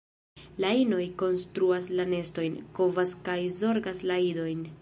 La inoj konstruas la nestojn, kovas kaj zorgas la idojn.